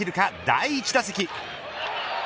第１打席。